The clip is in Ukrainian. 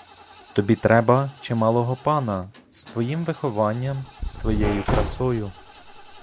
Тобі треба чималого пана з твоїм вихованням, з твоєю красою!